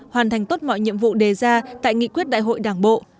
hoàn thành tốt mọi nhiệm vụ đề ra tại nghị quyết đại hội đảng bộ